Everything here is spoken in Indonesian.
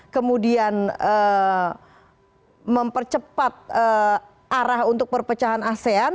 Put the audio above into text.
kemudian mempercepat arah untuk perpecahan asean